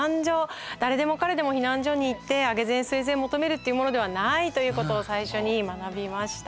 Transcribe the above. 誰でも彼でも避難所に行って上げ膳据え膳求めるっていうものではないということを最初に学びました。